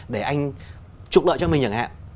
để anh trục lợi cho mình